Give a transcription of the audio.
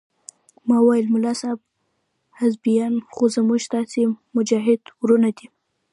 ما وويل ملا صاحب حزبيان خو زموږ ستاسې مجاهد ورونه دي.